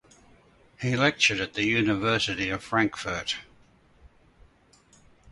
He lectured at the University of Frankfurt.